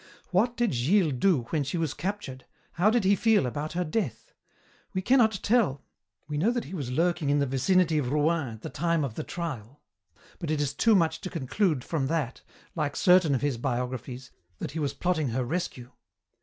What did Gilles do when she was captured, how did he feel about her death? We cannot tell. We know that he was lurking in the vicinity of Rouen at the time of the trial, but it is too much to conclude from that, like certain of his biographies, that he was plotting her rescue.